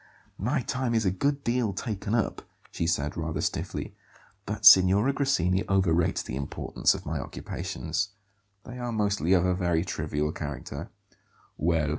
"My time is a good deal taken up," she said rather stiffly; "but Signora Grassini overrates the importance of my occupations. They are mostly of a very trivial character."